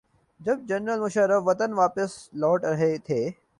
جب جنرل مشرف وطن واپس لوٹ رہے تھے۔